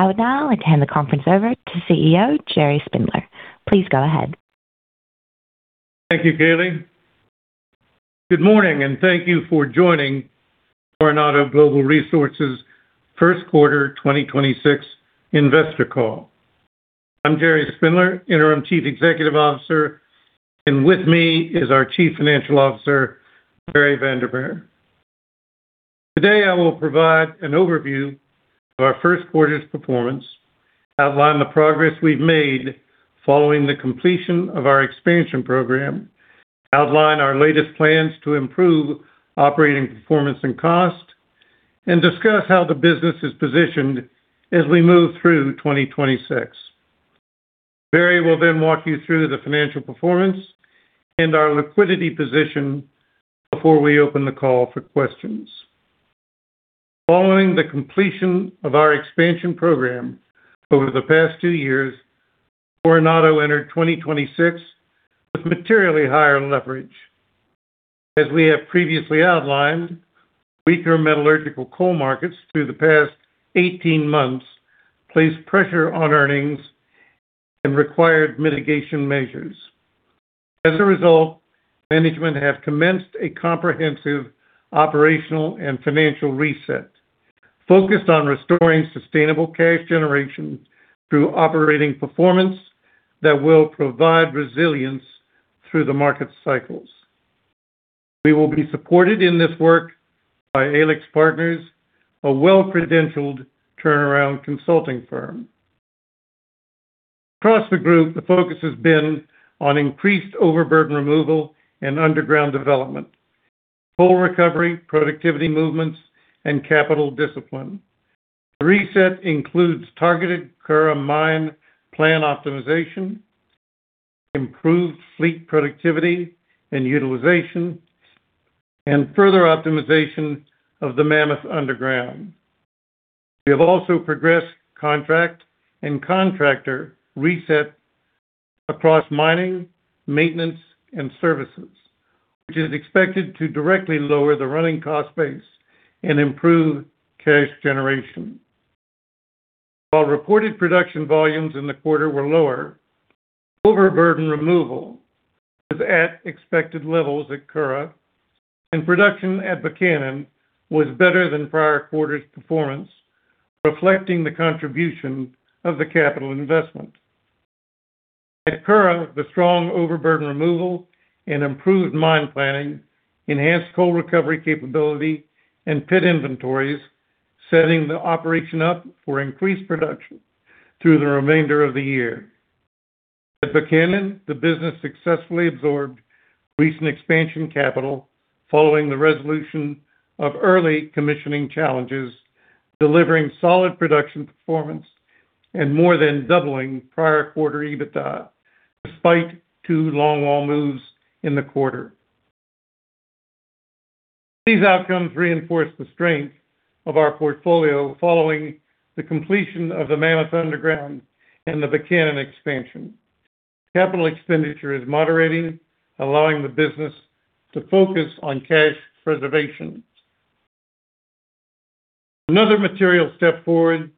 I would now like to hand the conference over to CEO, Garold Spindler. Please go ahead. Thank you, Kaylee. Good morning, and thank you for joining Coronado Global Resources' first quarter 2026 investor call. I'm Garold Spindler, Interim Chief Executive Officer, and with me is our Chief Financial Officer, Barrie van der Merwe. Today, I will provide an overview of our first quarter's performance, outline the progress we've made following the completion of our expansion program, outline our latest plans to improve operating performance and cost, and discuss how the business is positioned as we move through 2026. Barrie will then walk you through the financial performance and our liquidity position before we open the call for questions. Following the completion of our expansion program over the past two years, Coronado entered 2026 with materially higher leverage. As we have previously outlined, weaker metallurgical coal markets through the past 18 months placed pressure on earnings and required mitigation measures. As a result, management have commenced a comprehensive operational and financial reset focused on restoring sustainable cash generation through operating performance that will provide resilience through the market cycles. We will be supported in this work by AlixPartners, a well-credentialed turnaround consulting firm. Across the group, the focus has been on increased overburden removal and underground development, full recovery, productivity movements, and capital discipline. The reset includes targeted Curragh Mine plan optimization, improved fleet productivity and utilization, and further optimization of the Mammoth Underground. We have also progressed contract and contractor reset across mining, maintenance, and services, which is expected to directly lower the running cost base and improve cash generation. While reported production volumes in the quarter were lower, overburden removal was at expected levels at Curragh, and production at Buchanan was better than prior quarter's performance, reflecting the contribution of the capital investment. At Curragh, the strong overburden removal and improved mine planning enhanced coal recovery capability and pit inventories, setting the operation up for increased production through the remainder of the year. At Buchanan, the business successfully absorbed recent expansion capital following the resolution of early commissioning challenges, delivering solid production performance and more than doubling prior quarter EBITDA despite two longwall moves in the quarter. These outcomes reinforce the strength of our portfolio following the completion of the Mammoth Underground and the Buchanan expansion. Capital expenditure is moderating, allowing the business to focus on cash preservation. Another material step forward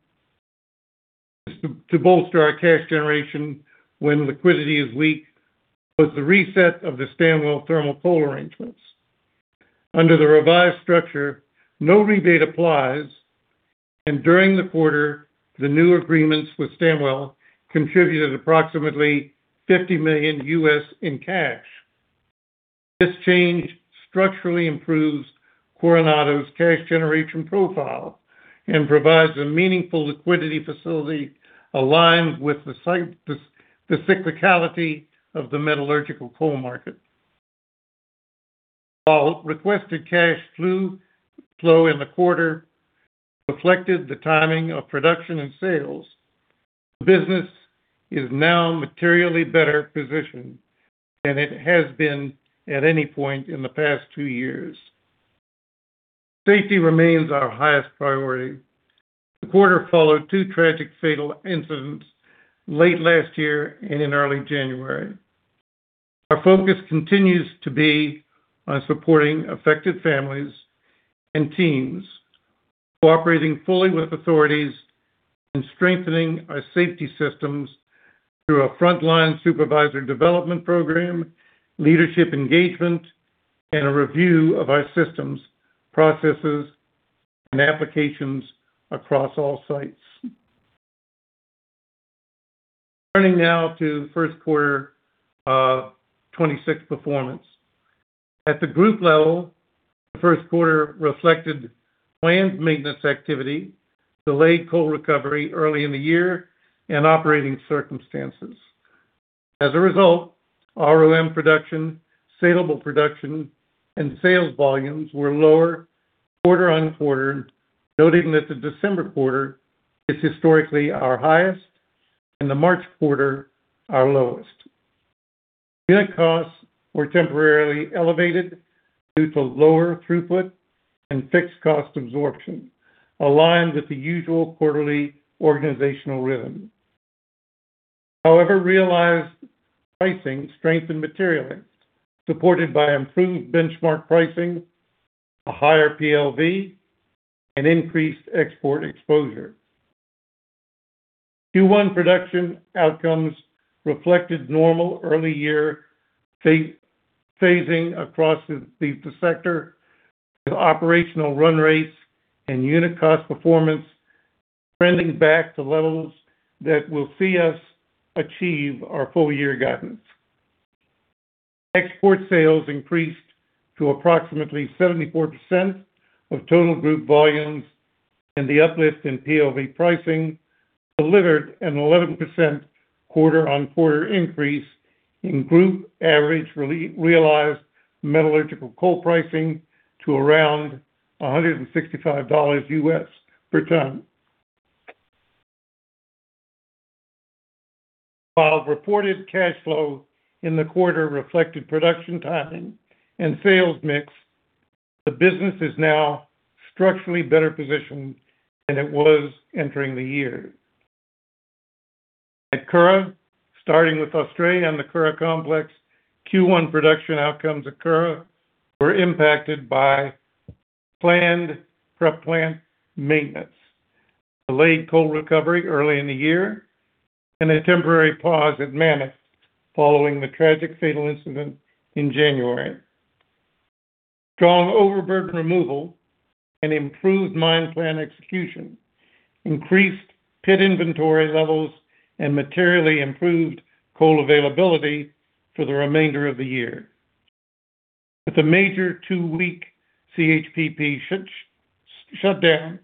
is to bolster our cash generation when liquidity is weak was the reset of the Stanwell thermal coal arrangements. Under the revised structure, no rebate applies, and during the quarter, the new agreements with Stanwell contributed approximately $50 million in cash. This change structurally improves Coronado's cash generation profile and provides a meaningful liquidity facility aligned with the cyclicality of the metallurgical coal market. While requested cash flow in the quarter reflected the timing of production and sales, the business is now materially better positioned than it has been at any point in the past two years. Safety remains our highest priority. The quarter followed two tragic fatal incidents late last year and in early January. Our focus continues to be on supporting affected families and teams, cooperating fully with authorities, and strengthening our safety systems through a frontline supervisor development program, leadership engagement, and a review of our systems, processes, and applications across all sites. Turning now to first quarter 2026 performance. At the group level, the first quarter reflected planned maintenance activity, delayed coal recovery early in the year, and operating circumstances. As a result, ROM production, saleable production, and sales volumes were lower quarter-on-quarter, noting that the December quarter is historically our highest and the March quarter our lowest. Unit costs were temporarily elevated due to lower throughput and fixed cost absorption, aligned with the usual quarterly organizational rhythm. However, realized pricing strengthened materially, supported by improved benchmark pricing, a higher PLV, and increased export exposure. Q1 production outcomes reflected normal early year phasing across the sector with operational run rates and unit cost performance trending back to levels that will see us achieve our full year guidance. Export sales increased to approximately 74% of total group volumes, and the uplift in PLV pricing delivered an 11% quarter-on-quarter increase in group average realized metallurgical coal pricing to around $165 per ton. While reported cash flow in the quarter reflected production timing and sales mix, the business is now structurally better positioned than it was entering the year. At Curragh, starting with Australia and the Curragh complex, Q1 production outcomes at Curragh were impacted by planned prep plant maintenance, delayed coal recovery early in the year, and a temporary pause at Mammoth following the tragic fatal incident in January. Strong overburden removal and improved mine plan execution increased pit inventory levels and materially improved coal availability for the remainder of the year. With a major two-week CHPP shutdown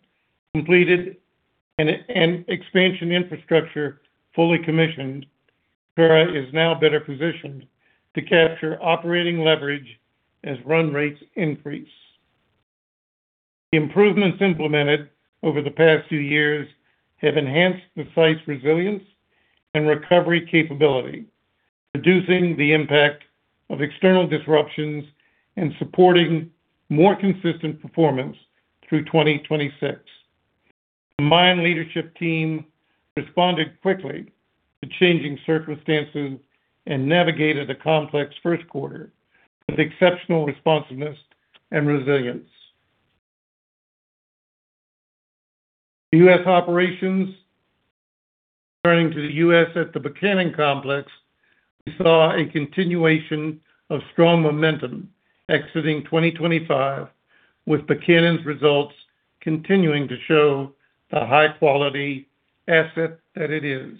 completed and E&I expansion infrastructure fully commissioned, Curragh is now better positioned to capture operating leverage as run rates increase. The improvements implemented over the past few years have enhanced the site's resilience and recovery capability, reducing the impact of external disruptions and supporting more consistent performance through 2026. The mine leadership team responded quickly to changing circumstances and navigated a complex first quarter with exceptional responsiveness and resilience. The U.S. operations. Turning to the U.S. at the Buchanan complex, we saw a continuation of strong momentum exiting 2025, with Buchanan's results continuing to show the high-quality asset that it is.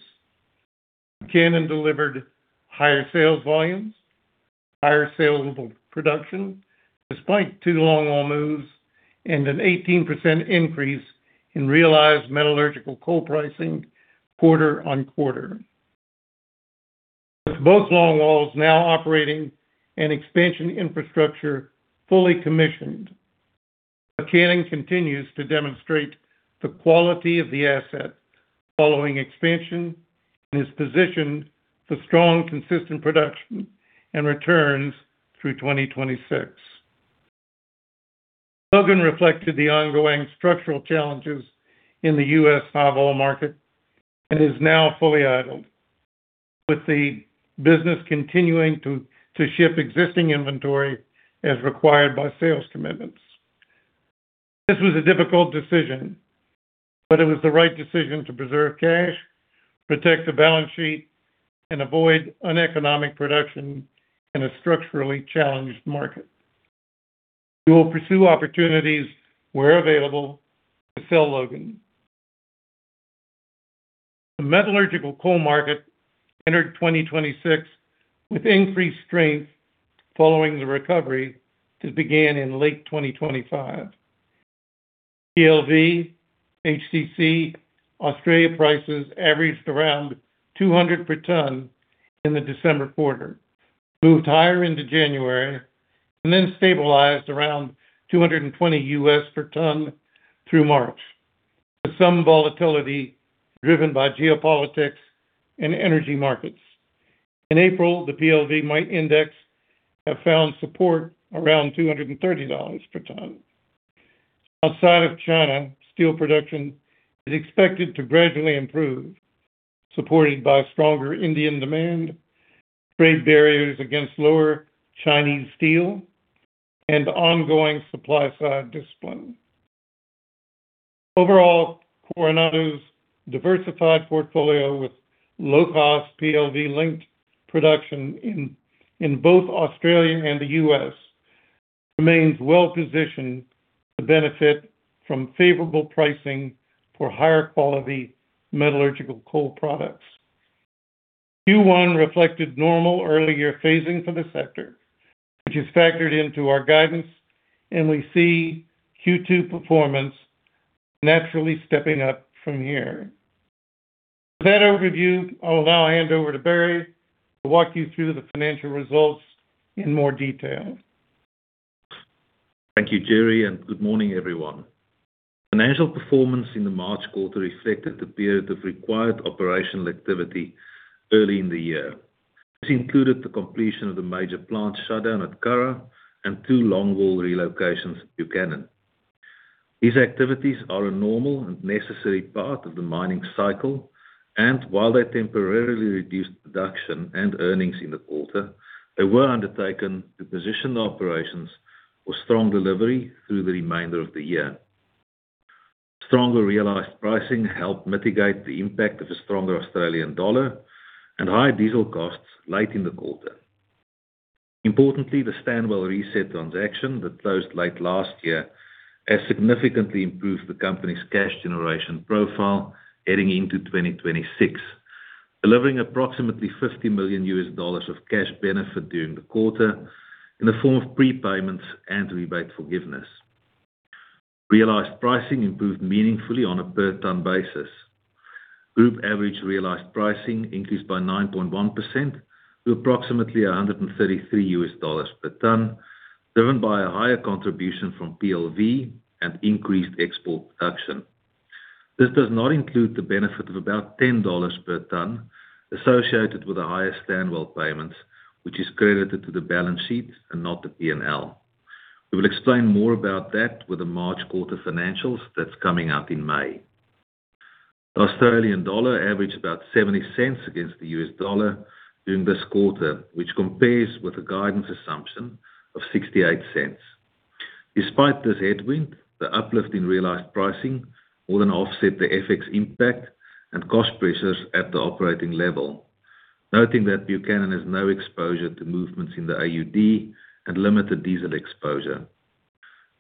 Buchanan delivered higher sales volumes, higher saleable production despite two longwall moves, and an 18% increase in realized metallurgical coal pricing quarter-over-quarter. With both longwalls now operating and expansion infrastructure fully commissioned, Buchanan continues to demonstrate the quality of the asset following expansion and is positioned for strong, consistent production and returns through 2026. Logan reflected the ongoing structural challenges in the U.S. highwall market and is now fully idled. With the business continuing to ship existing inventory as required by sales commitments. This was a difficult decision, but it was the right decision to preserve cash, protect the balance sheet, and avoid uneconomic production in a structurally challenged market. We will pursue opportunities where available to sell Logan. The metallurgical coal market entered 2026 with increased strength following the recovery that began in late 2025. PLV, HCC, Australian prices averaged around $200 per ton in the December quarter, moved higher into January, and then stabilized around $220 per ton through March, with some volatility driven by geopolitics and energy markets. In April, the PLV Mid index has found support around $230 per ton. Outside of China, steel production is expected to gradually improve, supported by stronger Indian demand, trade barriers against lower Chinese steel, and ongoing supply side discipline. Overall, Coronado's diversified portfolio with low cost PLV-linked production in both Australia and the U.S. remains well-positioned to benefit from favorable pricing for higher quality metallurgical coal products. Q1 reflected normal early year phasing for the sector, which is factored into our guidance, and we see Q2 performance naturally stepping up from here. With that overview, I'll now hand over to Barrie to walk you through the financial results in more detail. Thank you, Garold, and good morning, everyone. Financial performance in the March quarter reflected the period of required operational activity early in the year. This included the completion of the major plant shutdown at Curragh and two longwall relocations at Buchanan. These activities are a normal and necessary part of the mining cycle, and while they temporarily reduced production and earnings in the quarter, they were undertaken to position operations for strong delivery through the remainder of the year. Stronger realized pricing helped mitigate the impact of a stronger Australian dollar and high diesel costs late in the quarter. Importantly, the Stanwell reset transaction that closed late last year has significantly improved the company's cash generation profile heading into 2026, delivering approximately $50 million of cash benefit during the quarter in the form of prepayments and rebate forgiveness. Realized pricing improved meaningfully on a per ton basis. Group average realized pricing increased by 9.1% to approximately $133 per ton, driven by a higher contribution from PLV and increased export production. This does not include the benefit of about $10 per ton associated with the highest Stanwell payments, which is credited to the balance sheet and not the P&L. We will explain more about that with the March quarter financials that's coming out in May. The Australian dollar averaged about 70 cents against the U.S. dollar during this quarter, which compares with the guidance assumption of 68 cents. Despite this headwind, the uplift in realized pricing more than offset the FX impact and cost pressures at the operating level. Noting that Buchanan has no exposure to movements in the AUD and limited diesel exposure.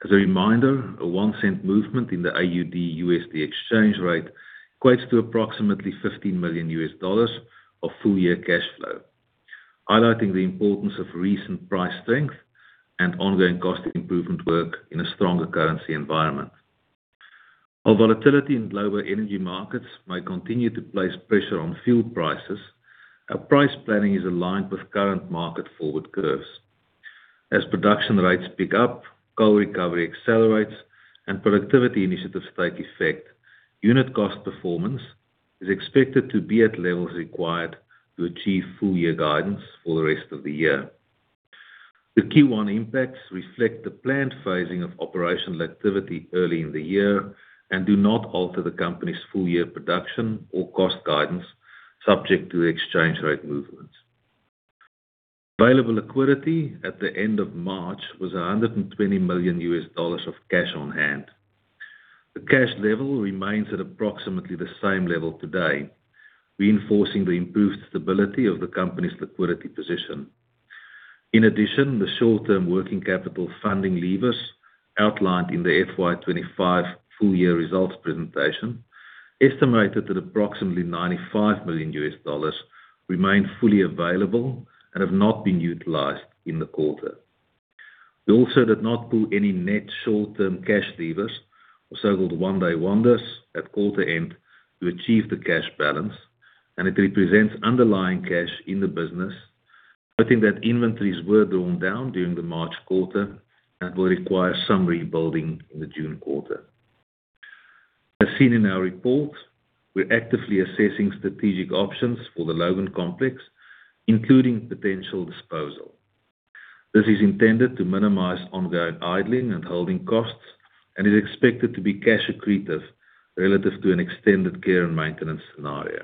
As a reminder, a one-cent movement in the AUD/USD exchange rate equates to approximately $15 million of full-year cash flow, highlighting the importance of recent price strength and ongoing cost improvement work in a stronger currency environment. Our volatility in global energy markets may continue to place pressure on fuel prices. Our price planning is aligned with current market forward curves. As production rates pick up, coal recovery accelerates and productivity initiatives take effect. Unit cost performance is expected to be at levels required to achieve full-year guidance for the rest of the year. The Q1 impacts reflect the planned phasing of operational activity early in the year and do not alter the company's full-year production or cost guidance subject to exchange rate movements. Available liquidity at the end of March was $120 million of cash on hand. The cash level remains at approximately the same level today, reinforcing the improved stability of the company's liquidity position. In addition, the short-term working capital funding levers outlined in the FY 2025 full-year results presentation, estimated at approximately $95 million, remain fully available and have not been utilized in the quarter. We also did not pull any net short-term cash levers or so-called one day wonders at quarter end to achieve the cash balance, and it represents underlying cash in the business, noting that inventories were drawn down during the March quarter and will require some rebuilding in the June quarter. As seen in our report, we're actively assessing strategic options for the Logan Complex, including potential disposal. This is intended to minimize ongoing idling and holding costs and is expected to be cash accretive relative to an extended care and maintenance scenario.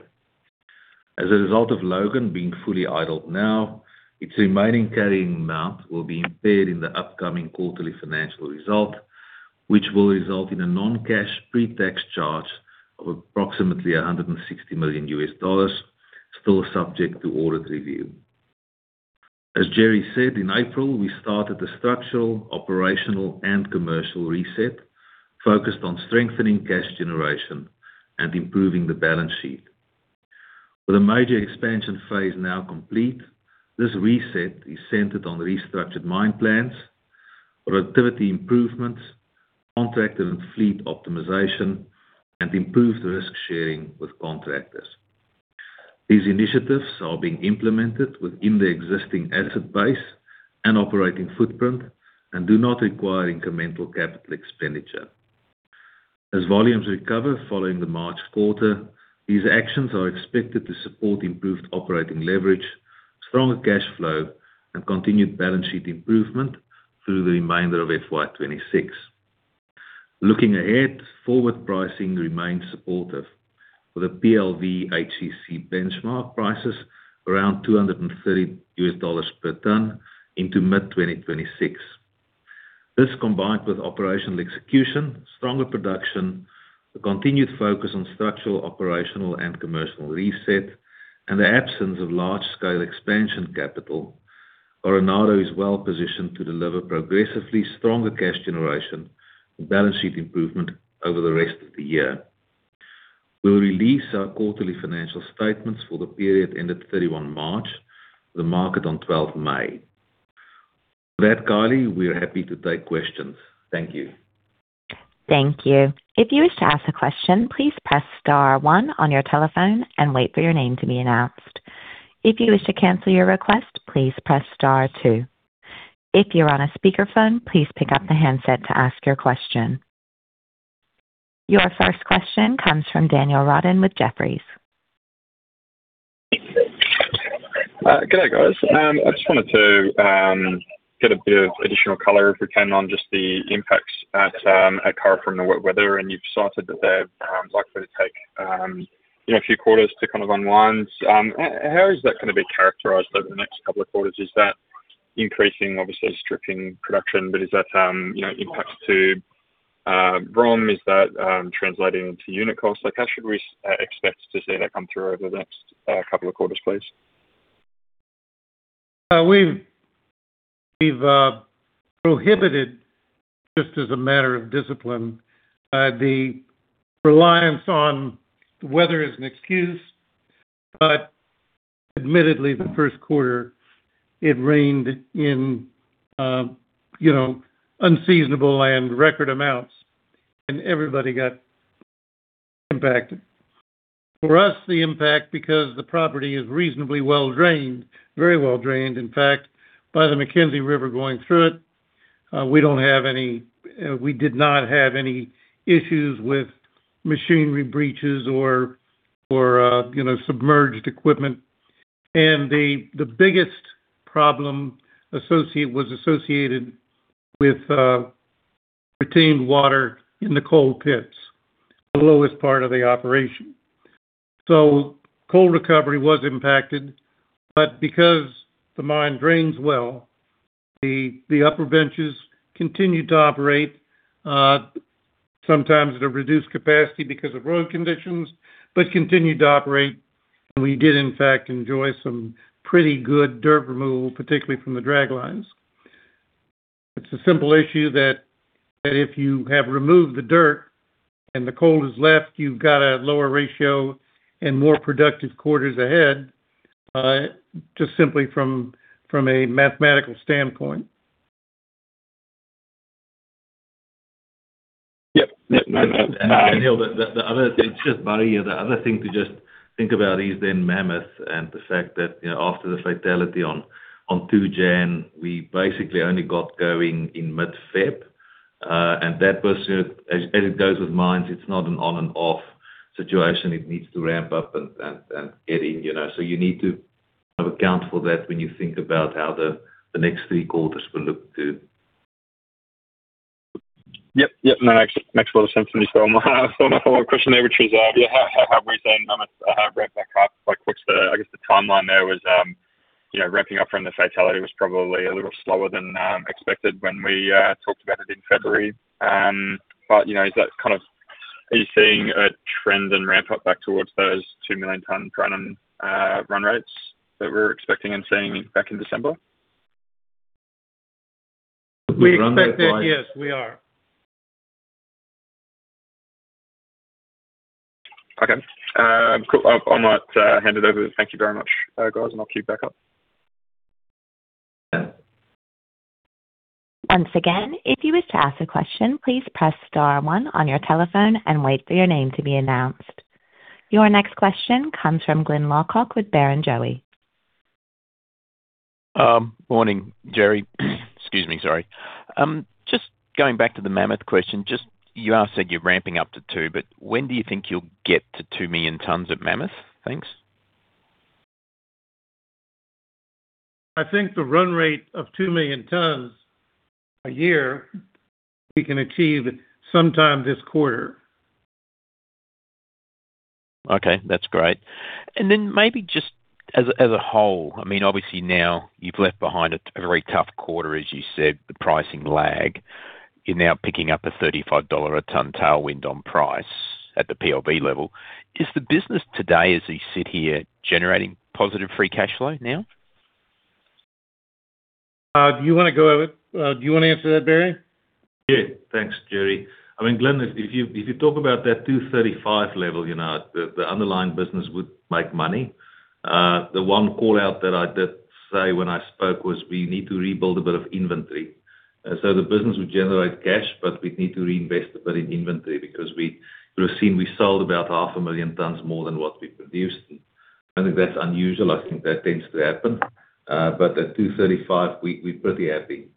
As a result of Logan being fully idled now, its remaining carrying amount will be impaired in the upcoming quarterly financial result, which will result in a non-cash pre-tax charge of approximately $160 million, still subject to audit review. As Garold said, in April, we started a structural, operational, and commercial reset focused on strengthening cash generation and improving the balance sheet. With a major expansion phase now complete, this reset is centered on restructured mine plans, productivity improvements, contractor and fleet optimization, and improved risk-sharing with contractors. These initiatives are being implemented within the existing asset base and operating footprint and do not require incremental capital expenditure. As volumes recover following the March quarter, these actions are expected to support improved operating leverage, stronger cash flow, and continued balance sheet improvement through the remainder of FY 2026. Looking ahead, forward pricing remains supportive with the PLV HCC benchmark prices around $230 per ton into mid-2026. This, combined with operational execution, stronger production, the continued focus on structural, operational, and commercial reset, and the absence of large-scale expansion capital, Coronado is well positioned to deliver progressively stronger cash generation and balance sheet improvement over the rest of the year. We'll release our quarterly financial statements for the period ended March 31 to the market on May 12. With that, Kaylee, we're happy to take questions. Thank you. Thank you. If you wish to ask a question, please press star one on your telephone and wait for your name to be announced. If you wish to cancel your request, please press star two. If you're on a speakerphone, please pick up the handset to ask your question. Your first question comes from Daniel Roden with Jefferies. Good day, guys. I just wanted to get a bit of additional color if we can on just the impacts at Curragh from the wet weather, and you've cited that they're likely to take, you know, a few quarters to kind of unwind. How is that gonna be characterized over the next couple of quarters? Is that increasing, obviously, stripping production, but is that, you know, impact to ROM? Is that translating into unit costs? Like, how should we expect to see that come through over the next couple of quarters, please? We've prohibited, just as a matter of discipline, the reliance on weather as an excuse. But admittedly, the first quarter, it rained in, you know, unseasonable and record amounts, and everybody got impacted. For us, the impact, because the property is reasonably well-drained, very well-drained, in fact, by the Mackenzie River going through it, we did not have any issues with machinery breaches or, you know, submerged equipment. The biggest problem was associated with retained water in the coal pits, the lowest part of the operation. Coal recovery was impacted, but because the mine drains well, the upper benches continued to operate, sometimes at a reduced capacity because of road conditions, but continued to operate. We did in fact enjoy some pretty good dirt removal, particularly from the draglines. It's a simple issue that if you have removed the dirt and the coal is left, you've got a lower ratio and more productive quarters ahead, just simply from a mathematical standpoint. Yep. No, no. Hill, the other thing to just think about is then Mammoth and the fact that, you know, after the fatality on January 2, we basically only got going in mid-February. That was, as it goes with mines, it's not an on and off situation. It needs to ramp up and get in, you know. You need to kind of account for that when you think about how the next three quarters will look too. Yep. No, actually, thanks for the question. My follow-up question there, which is, how ramp back up, like, what's the timeline there, I guess, was, you know, ramping up from the fatality was probably a little slower than expected when we talked about it in February. You know, is that kind of. Are you seeing a trend and ramp up back towards those 2 million ton run rates that we're expecting and seeing back in December? We expect that, yes, we are. Okay. Cool. I might hand it over. Thank you very much, guys, and I'll queue back up. Yeah. Once again, if you wish to ask a question, please press star one on your telephone and wait for your name to be announced. Your next question comes from Glyn Lawcock with Barrenjoey. Morning, Garold. Excuse me, sorry. Just going back to the Mammoth question, just you said you're ramping up to 2, but when do you think you'll get to 2 million tons at Mammoth? Thanks. I think the run rate of 2 million tons a year we can achieve sometime this quarter. Okay, that's great. Maybe just as a whole, I mean, obviously now you've left behind a very tough quarter, as you said, the pricing lag. You're now picking up a $35 a ton tailwind on price at the PLV level. Is the business today, as you sit here, generating positive free cash flow now? Do you wanna answer that, Barrie? Yeah. Thanks, Garold. I mean, Glyn, if you talk about that 235 level, you know, the underlying business would make money. The one call-out that I did say when I spoke was we need to rebuild a bit of inventory. So the business would generate cash, but we'd need to reinvest a bit in inventory because you'll have seen we sold about 500,000 tons more than what we produced. I don't think that's unusual. I think that tends to happen. At 235, we're pretty happy.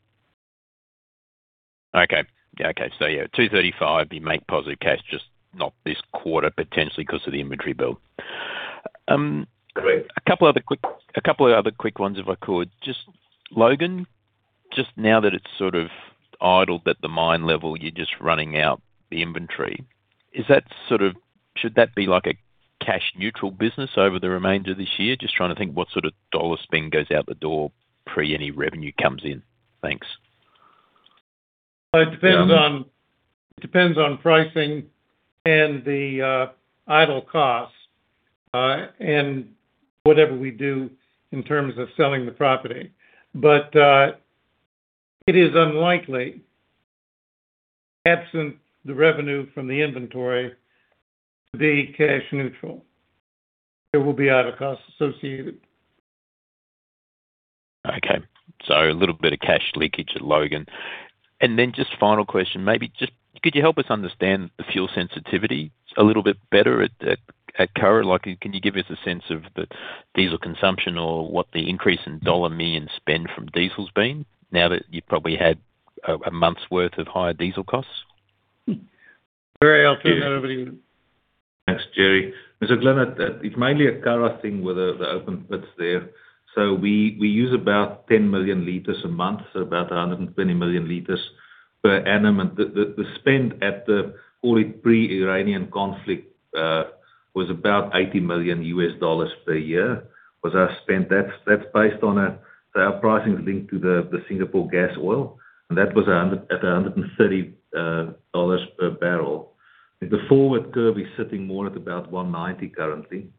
Okay, $235, you make positive cash, just not this quarter, potentially 'cause of the inventory build. Correct. A couple of other quick ones if I could. Just Logan, now that it's sort of idled at the mine level, you're just running out the inventory. Should that be like a cash neutral business over the remainder of this year? Just trying to think what sort of dollar spend goes out the door pre any revenue comes in. Thanks. It depends on pricing and the idle costs and whatever we do in terms of selling the property. It is unlikely, absent the revenue from the inventory, to be cash neutral. There will be idle costs associated. Okay. A little bit of cash leakage at Logan. Just final question, maybe just could you help us understand the fuel sensitivity a little bit better at Curragh? Like, can you give us a sense of the diesel consumption or what the increase in $1 million spend from diesel has been now that you've probably had a month's worth of higher diesel costs? Barrie, I'll turn that over to you. Thanks, Garold. Glyn, it's mainly a Curragh thing with the open pits there. We use about 10 million liters a month, about 120 million liters per annum. The spend, call it pre-Iranian conflict, was about $80 million per year. Our spend. That's based on our pricing is linked to the Singapore Gasoil, and that was at $130 per barrel. The forward curve is sitting more at about 190 currently.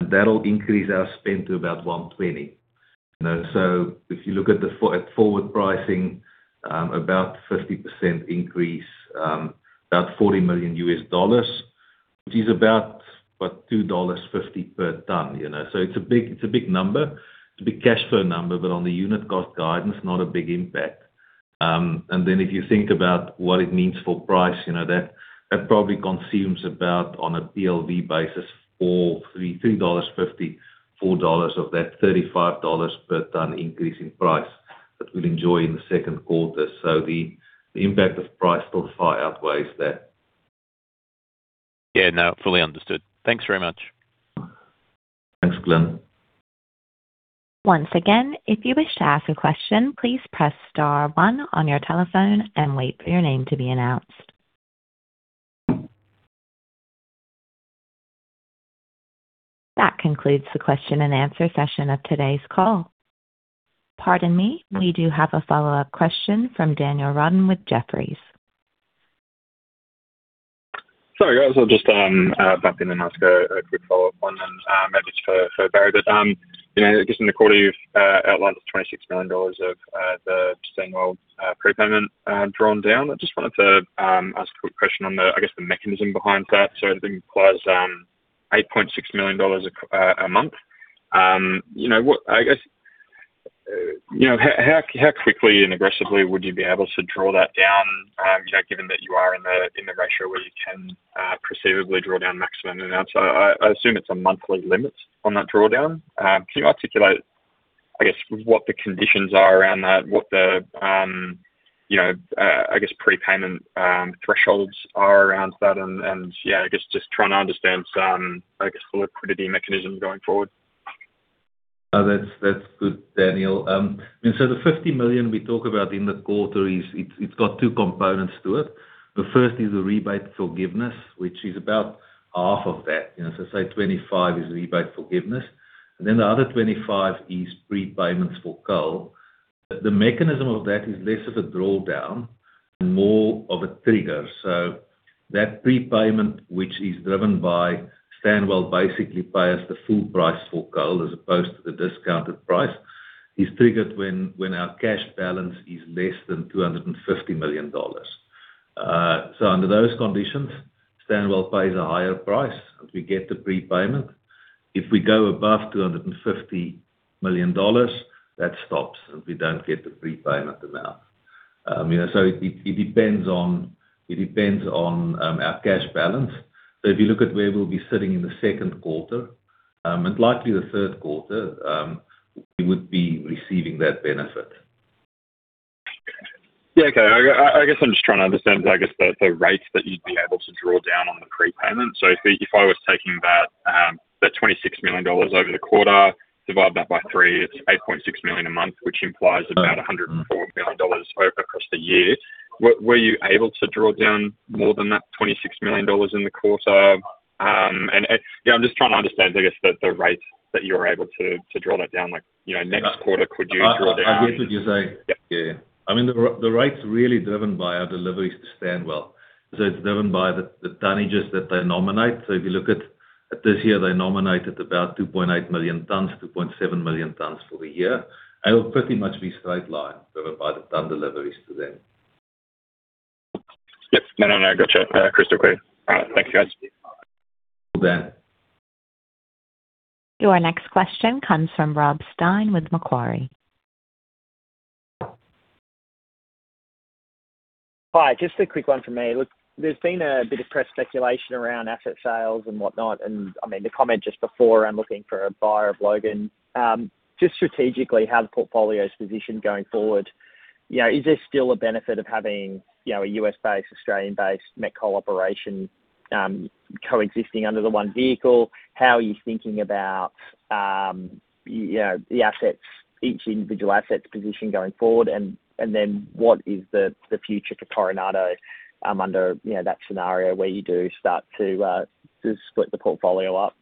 That'll increase our spend to about 120. You know, if you look at forward pricing, about 50% increase, about $40 million, which is about, what? $2.50 per tonne, you know. It's a big number. It's a big cash flow number. On the unit cost guidance, not a big impact. If you think about what it means for price, you know that probably consumes about, on a PLV basis, $3.50-$4 of that $35 per tonne increase in price that we'll enjoy in the second quarter. The impact of price still far outweighs that. Yeah, no, fully understood. Thanks very much. Thanks, Glyn. Once again, if you wish to ask a question, please press star one on your telephone and wait for your name to be announced. That concludes the question and answer session of today's call. Pardon me, we do have a follow-up question from Daniel Roden with Jefferies. Sorry, guys. I'll just bump in and ask a quick follow-up on, maybe just for Barrie. You know, I guess in the quarter you've outlined the $26 million of the Stanwell prepayment drawn down. I just wanted to ask a quick question on the, I guess, the mechanism behind that. I think it was $8.6 million a month. You know, I guess you know how quickly and aggressively would you be able to draw that down, you know, given that you are in the ratio where you can perceivably draw down maximum amounts. I assume it's a monthly limit on that drawdown. Can you articulate, I guess, what the conditions are around that, you know, I guess prepayment thresholds are around that and yeah, I guess just trying to understand, I guess the liquidity mechanism going forward? Oh, that's good, Daniel. I mean, the $50 million we talk about in the quarter is, it's got two components to it. The first is the rebate forgiveness, which is about half of that. You know, so say $25 million is rebate forgiveness and then the other $25 million is prepayments for coal. The mechanism of that is less of a drawdown and more of a trigger. That prepayment, which is driven by Stanwell basically pay us the full price for coal as opposed to the discounted price, is triggered when our cash balance is less than $250 million. Under those conditions, Stanwell pays a higher price and we get the prepayment. If we go above $250 million, that stops, and we don't get the prepayment amount. You know, it depends on our cash balance. If you look at where we'll be sitting in the second quarter, and likely the third quarter, we would be receiving that benefit. Yeah. Okay. I guess I'm just trying to understand the rates that you'd be able to draw down on the prepayment. So if I was taking that $26 million over the quarter, divide that by three, it's $8.6 million a month, which implies about $104 million over the year. Were you able to draw down more than that $26 million in the quarter? And you know, I'm just trying to understand the rates that you're able to draw that down. Like, you know, next quarter, could you draw down- I get what you're saying. Yeah. Yeah. I mean, the rate's really driven by our deliveries to Stanwell. It's driven by the tonnages that they nominate. If you look at this year, they nominated about 2.8 million tons, 2.7 million tons for the year. It'll pretty much be straight line driven by the tonne deliveries to them. Yes. No, no. Gotcha. Crystal clear. All right. Thank you, guys. You bet. Your next question comes from Rob Stein with Macquarie. Hi. Just a quick one from me. Look, there's been a bit of press speculation around asset sales and whatnot, and I mean, the comment just before around looking for a buyer of Logan. Just strategically, how the portfolio's positioned going forward. You know, is there still a benefit of having, you know, a U.S.-based, Australian-based met coal operation coexisting under the one vehicle? How are you thinking about, you know, the assets, each individual asset's position going forward? Then what is the future for Coronado under that scenario where you do start to split the portfolio up?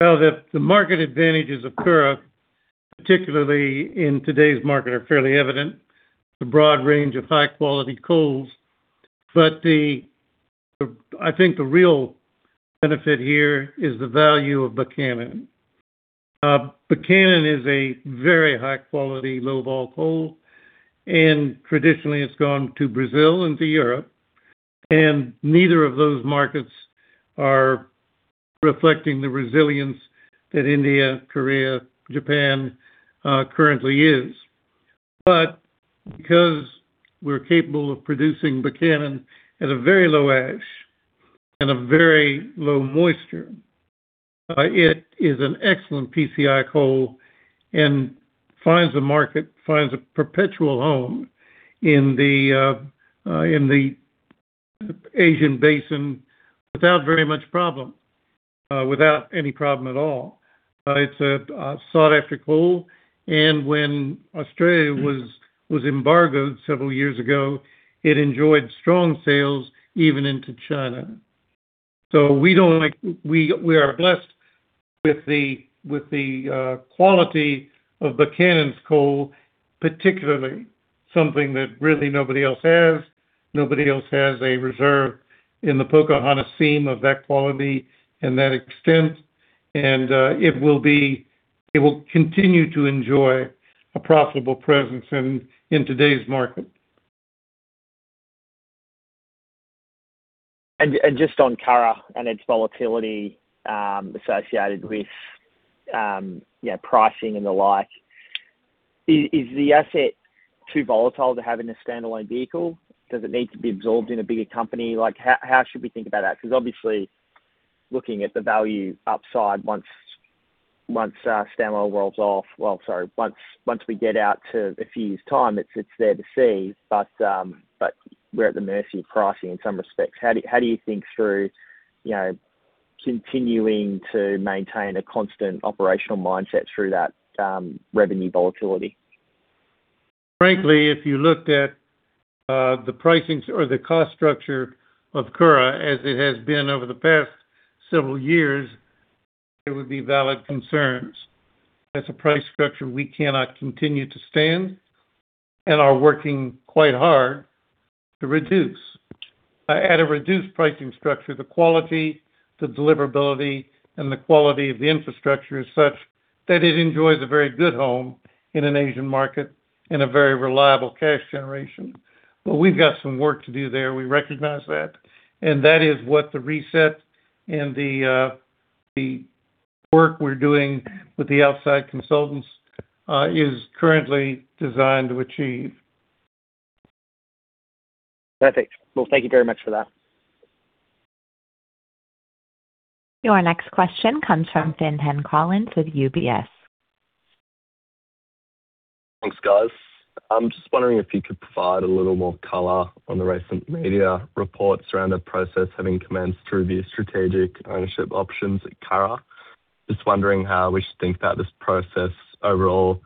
Well, the market advantages of Curragh, particularly in today's market, are fairly evident. The broad range of high quality coals. I think the real benefit here is the value of Buchanan. Buchanan is a very high quality, low vol coal, and traditionally it's gone to Brazil and to Europe, and neither of those markets are reflecting the resilience that India, Korea, Japan, currently is. Because we're capable of producing Buchanan at a very low ash and a very low moisture. It is an excellent PCI coal and finds a market, finds a perpetual home in the, in the Asian basin without very much problem, without any problem at all. It's a sought-after coal, and when Australia was embargoed several years ago, it enjoyed strong sales even into China. We don't like We are blessed with the quality of Buchanan's coal, particularly something that really nobody else has. Nobody else has a reserve in the Pocahontas seam of that quality and that extent. It will continue to enjoy a profitable presence in today's market. Just on Curragh and its volatility, associated with, you know, pricing and the like, is the asset too volatile to have in a standalone vehicle? Does it need to be absorbed in a bigger company? Like, how should we think about that? Because obviously, looking at the value upside once Stanwell rolls off, well, sorry, once we get out to a few years' time, it's there to see. We're at the mercy of pricing in some respects. How do you think through, you know, continuing to maintain a constant operational mindset through that revenue volatility? Frankly, if you looked at the pricings or the cost structure of Curragh as it has been over the past several years, it would be valid concerns. That's a price structure we cannot continue to stand and are working quite hard to reduce. At a reduced pricing structure, the quality, the deliverability, and the quality of the infrastructure is such that it enjoys a very good home in an Asian market and a very reliable cash generation. We've got some work to do there. We recognize that, and that is what the reset and the work we're doing with the outside consultants is currently designed to achieve. Perfect. Well, thank you very much for that. Your next question comes from Fintan Collins with UBS. Thanks, guys. I'm just wondering if you could provide a little more color on the recent media reports around the process having commenced through the strategic ownership options at Curragh. Just wondering how we should think about this process overall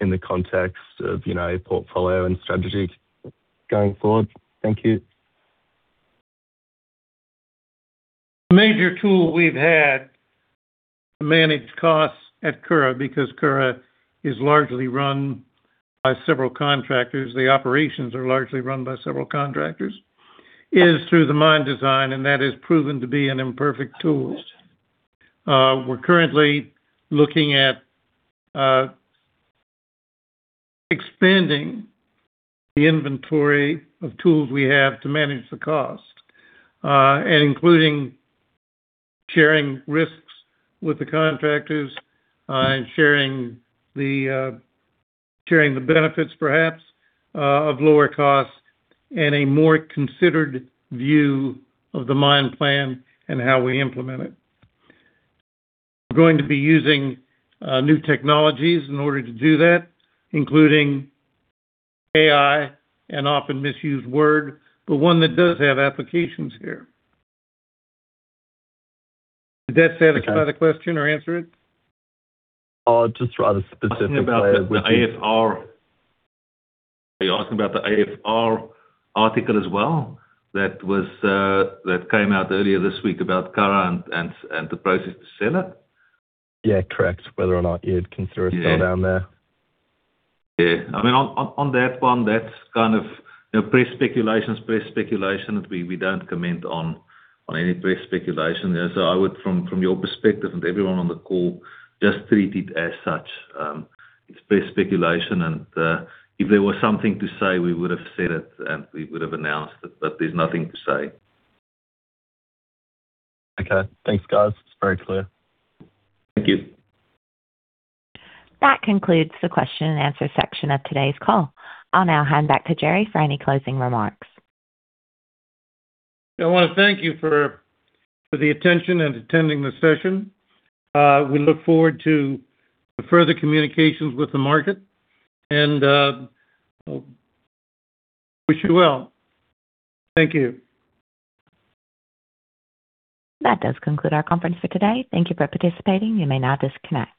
in the context of, you know, portfolio and strategy going forward. Thank you. Major tool we've had to manage costs at Curragh, because Curragh is largely run by several contractors, is through the mine design, and that has proven to be an imperfect tool. We're currently looking at expanding the inventory of tools we have to manage the cost, and including sharing risks with the contractors, and sharing the benefits perhaps of lower costs and a more considered view of the mine plan and how we implement it. We're going to be using new technologies in order to do that, including AI, an often misused word, but one that does have applications here. Did that satisfy the question or answer it? Oh, just rather specific- Are you asking about the AFR article as well, that came out earlier this week about Curragh and the process to sell it? Yeah, correct. Whether or not you'd consider. Yeah a sell-down there. Yeah. I mean, on that one, that's kind of, you know, press speculation is press speculation. We don't comment on any press speculation. I would from your perspective and everyone on the call, just treat it as such. It's press speculation and if there was something to say, we would have said it and we would have announced it, but there's nothing to say. Okay. Thanks, guys. It's very clear. Thank you. That concludes the question and answer section of today's call. I'll now hand back to Garold for any closing remarks. I wanna thank you for the attention and attending this session. We look forward to further communications with the market and wish you well. Thank you. That does conclude our conference for today. Thank you for participating. You may now disconnect.